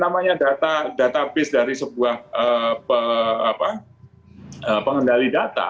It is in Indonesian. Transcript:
namanya database dari sebuah pengendali data